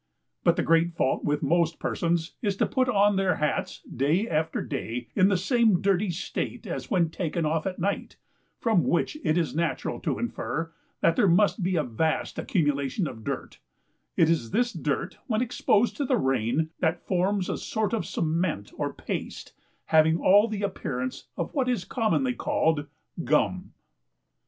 But the great fault with most persons is to put on their Hats, day after day, in the same dirty state as when taken off at night; from which it is natural to infer, that there must be a vast accumulation of dirt; it is this dirt, when exposed to the rain, that forms a sort of cement, or paste, having all the appearance of what is commonly called "gum."